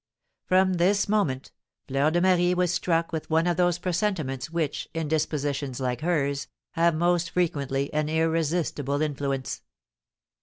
From this moment, Fleur de Marie was struck with one of those presentiments which, in dispositions like hers, have most frequently an irresistible influence.